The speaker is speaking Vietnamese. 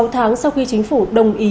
sáu tháng sau khi chính phủ đồng ý